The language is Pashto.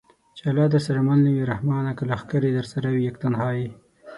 چې الله درسره مل نه وي رحمانه! که لښکرې درسره وي یک تنها یې